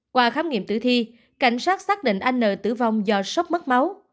qua khám nghiệm tử thi cảnh sát xác định anh n tử vong do sốc mất máu